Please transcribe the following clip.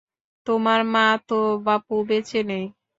তোমার মা তো বাপু বেঁচে নেই।